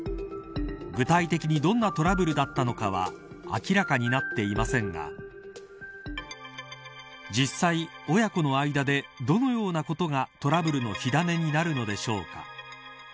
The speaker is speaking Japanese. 具体的にどんなトラブルだったのかは明らかになっていませんが実際、親子の間でどのようなことがトラブルの火種になるのでしょうか。